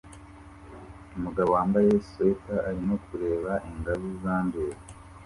Umugabo wambaye swater arimo kureba ingazi zanduye